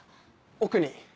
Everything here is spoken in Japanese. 奥に。